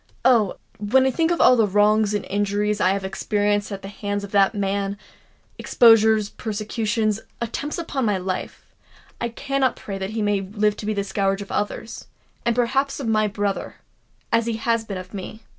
Oh! when I think of all the wrongs and injuries I have experienced at the hands of that man,—exposures—persecutions—attempts upon my life,—I cannot pray that he may live to be the scourge of others—and perhaps of my brother—as he has been of me!"